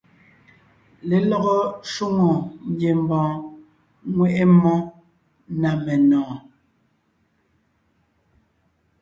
Lelɔgɔ shwòŋo ngiembɔɔn ŋweʼe mmó na menɔ̀ɔn.